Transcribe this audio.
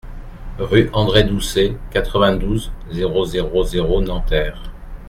Rue André Doucet, quatre-vingt-douze, zéro zéro zéro Nanterre